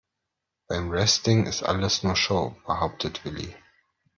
Beim Wrestling ist alles nur Show, behauptet Willi.